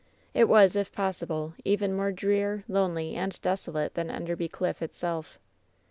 It was, if possible, even more drear, lonely and desolate than Enderby Cliff itself.